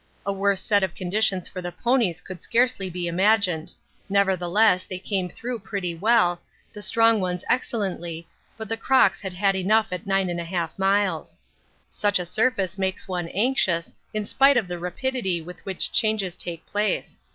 A worse set of conditions for the ponies could scarcely be imagined. Nevertheless they came through pretty well, the strong ones excellently, but the crocks had had enough at 9 1/2 miles. Such a surface makes one anxious in spite of the rapidity with which changes take place.